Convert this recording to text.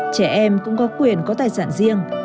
trẻ em cũng có quyền có tài sản riêng